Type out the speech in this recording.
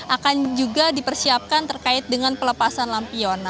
akan juga dipersiapkan terkait dengan pelepasan lampion